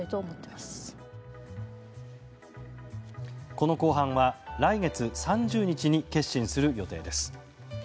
この公判は来月３０日に結審する予定です。